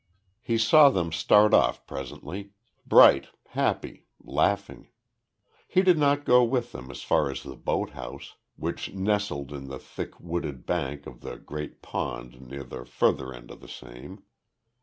He saw them start off presently; bright, happy, laughing. He did not go with them as far as the boat house, which nestled in the thick, wooded bank of the great pond near the further end of the same.